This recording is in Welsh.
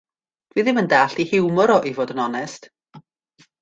Dw i ddim yn dallt 'i hiwmor o i fod yn onest.